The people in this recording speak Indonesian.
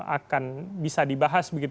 akan bisa dibahas begitu